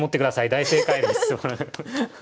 大正解です。